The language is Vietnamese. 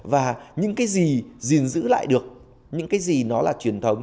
và những cái gì gìn giữ lại được những cái gì nó là truyền thống